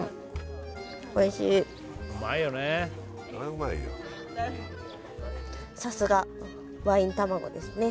うんさすがワイン卵ですね